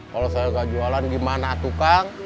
kalau saya nggak jualan gimana tukang